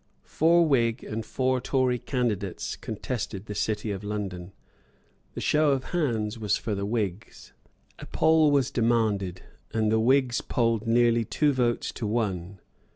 Four Whig and four Tory candidates contested the City of London. The show of hands was for the Whigs. A poll was demanded; and the Whigs polled nearly two votes to one.